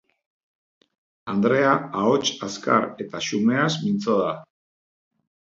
Andrea ahots azkar eta xumeaz mintzo da.